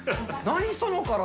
何その体。